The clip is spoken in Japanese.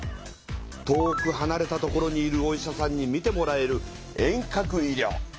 遠くはなれた所にいるお医者さんにみてもらえる遠隔医療。